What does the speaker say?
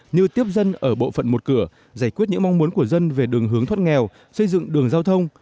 như tiếp dân ở bộ phận một cửa giải quyết những mong muốn của dân về đường hướng thoát nghèo xây dựng đường giao thông